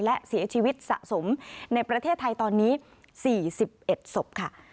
และเสียชีวิตสะสมในประเทศไทยตอนนี้๔๑ศพค่ะ